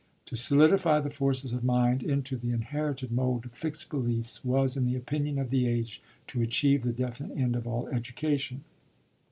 To solidify the forces of mind into the inherited mould of fixed beliefs was, in the opinion of the age, to achieve the definite end of all education.